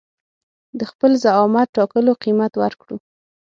د خپل زعامت ټاکلو قيمت ورکړو.